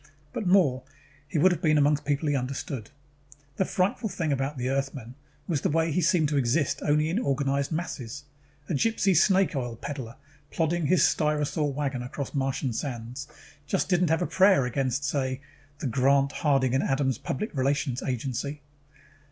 But more, he would have been among people he understood. The frightful thing about the Earthman was the way he seemed to exist only in organized masses. A gypsy snake oil peddler, plodding his syrtosaur wagon across Martian sands, just didn't have a prayer against, say, the Grant, Harding & Adams Public Relations Agency.